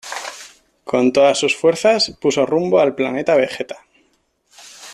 Con todas sus fuerzas, puso rumbo al Planeta Vegeta.